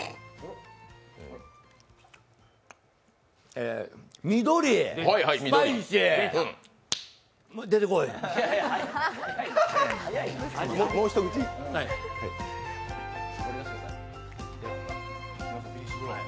えー、緑、スパイシー、出てこうへん。